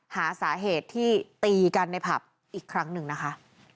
หาสาเหตุที่ตีกันในผับอีกครั้งหนึ่งนะคะ